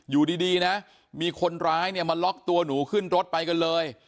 อยู่ดีนะมีคนร้ายเนี่ยมาล็อกตัวหนูขึ้นรถไปกันเลย